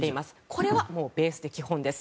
これはもうベースで基本です。